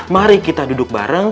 mari kita duduk bareng